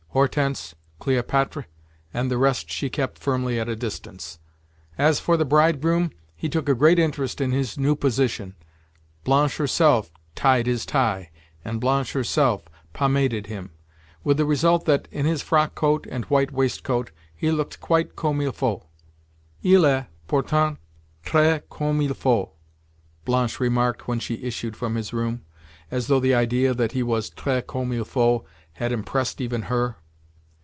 Hortense, Cléopatre, and the rest she kept firmly at a distance. As for the bridegroom, he took a great interest in his new position. Blanche herself tied his tie, and Blanche herself pomaded him—with the result that, in his frockcoat and white waistcoat, he looked quite comme il faut. "Il est, pourtant, très comme il faut," Blanche remarked when she issued from his room, as though the idea that he was "très comme il faut" had impressed even her.